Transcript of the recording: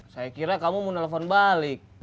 saya kira kamu mau nelfon balik